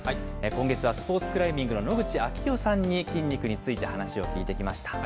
今月は、スポーツクライミングの野口啓代さんに筋肉について話を聞いてきました。